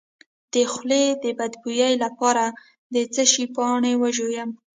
د خولې د بد بوی لپاره د څه شي پاڼې وژويئ؟